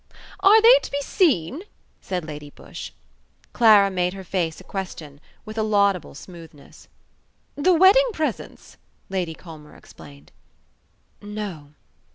"Are they to be seen?" said Lady Busshe. Clara made her face a question, with a laudable smoothness. "The wedding presents," Lady Culmer explained. "No."